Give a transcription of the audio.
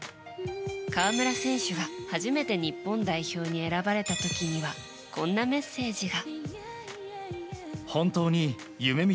河村選手が初めて日本代表に選ばれた時にはこんなメッセージが。